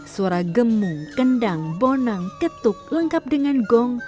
suara gemung kendang bonang ketuk lengkap dengan gong